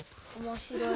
面白い。